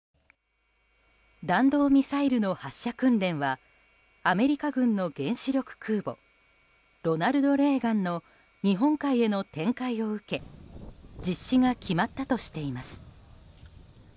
弾道ミサイルの発射訓練はアメリカ軍の原子力空母「ロナルド・レーガン」の日本海への展開を受け実施が決まったとしています。